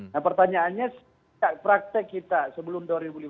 nah pertanyaannya praktek kita sebelum dua ribu lima belas